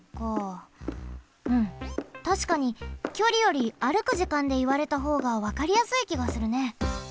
うんたしかにきょりより歩く時間でいわれたほうがわかりやすいきがするね。